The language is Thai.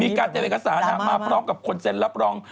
มีการเตรียมวิกสารมาปล้องกับคนเซ็ลรับปรอง